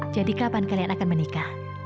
jadi kapan mau berdua menikah